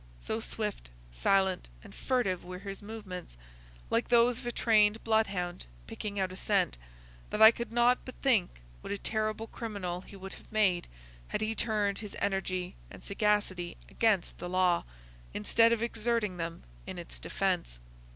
So swift, silent, and furtive were his movements, like those of a trained blood hound picking out a scent, that I could not but think what a terrible criminal he would have made had he turned his energy and sagacity against the law, instead of exerting them in its defence.